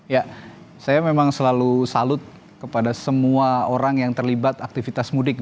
ya saya memang selalu salut kepada semua orang yang terlibat aktivitas mudik